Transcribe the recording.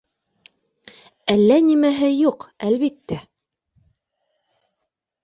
Әллә нимәһе юҡ, әлбиттә